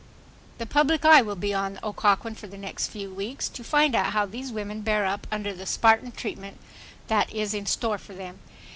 . The public eye will be on Occoquan for the next few weeks, to find out how these women bear up under the Spartan treatment that is in store for them.